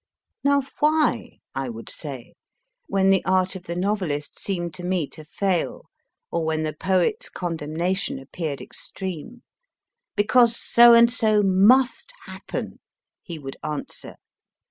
Now why ? I would say, when the art of the novelist seemed to me to fail, or when the poet s condemnation appeared extreme. * Because so and so must happen/ he would answer.